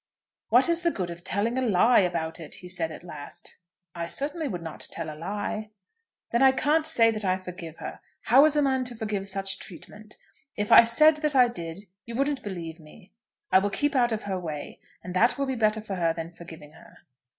"What is the good of telling a lie about it?" he said, at last. "I certainly would not tell a lie." "Then I can't say that I forgive her. How is a man to forgive such treatment? If I said that I did, you wouldn't believe me. I will keep out of her way, and that will be better for her than forgiving her."